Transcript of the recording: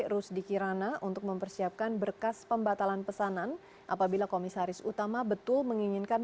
rusdi kirana untuk mempersiapkan berkas pembatalan pesanan apabila komisaris utama betul menginginkan